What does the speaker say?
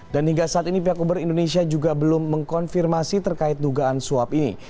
dan hingga saat ini pihak uber indonesia juga belum mengkonfirmasi terkait dugaan suap ini